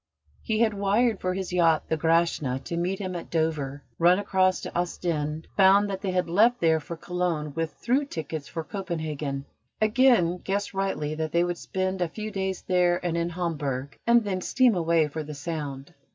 He had wired for his yacht, the Grashna, to meet him at Dover, run across to Ostend, found that they had left there for Cologne with through tickets for Copenhagen, again guessed rightly that they would spend a few days there and in Hamburg, and then steam away for the Sound.